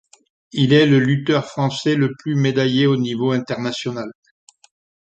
Il est le lutteur français le plus médaillé au niveau international.